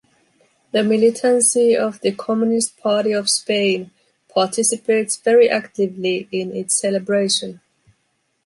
The militancy of the Communist Party of Spain participates very actively in its celebration.